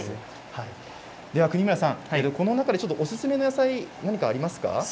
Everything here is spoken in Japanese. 國村さん、この中でおすすめの野菜何かありますか？